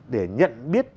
để nhận biết